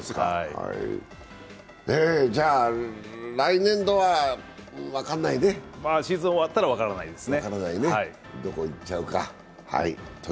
じゃ、来年度は分かんないねシーズン終わったら分からないですね。